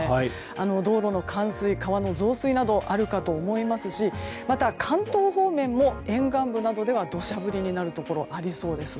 道路の冠水、川の増水などあるかと思いますしまた関東方面も沿岸部などでは土砂降りになるところがありそうです。